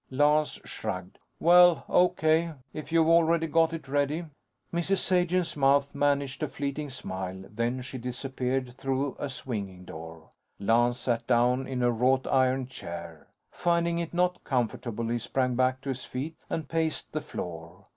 Lance shrugged. "Well, O.K., if you've already got it ready." Mrs. Sagen's mouth managed a fleeting smile; then she disappeared through a swinging door. Lance sat down in a wrought iron chair. Finding it not comfortable, he sprang back to his feet and paced the floor.